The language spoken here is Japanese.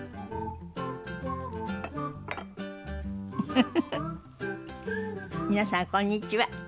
フフフフ皆さんこんにちは。